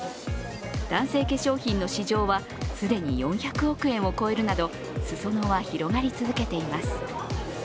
男性化粧品の市場は既に４００億円を超えるなど裾野は広がり続けています。